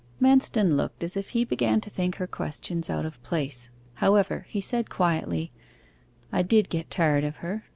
Manston looked as if he began to think her questions out of place; however, he said quietly, 'I did get tired of her.